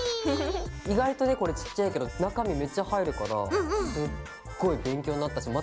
意外とねこれちっちゃいけど中身めっちゃ入るからすっごい勉強になったしまた自分で作りたいなと思って。